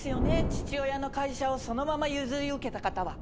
父親の会社をそのまま譲り受けた方は。